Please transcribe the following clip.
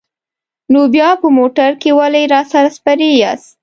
نو بیا په موټر کې ولې راسره سپرې یاست؟